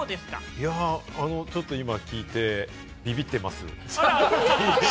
今ちょっと聞いてビビってます。